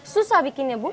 susah bikinnya bu